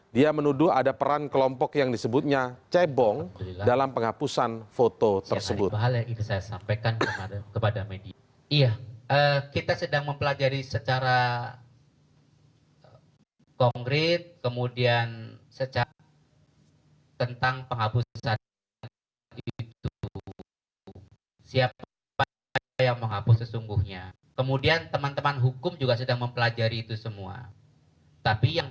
dia menuduh ada peran kelompok yang disebutnya cebong dalam penghapusan foto tersebut